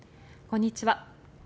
こんにちは。